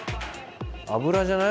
油じゃない？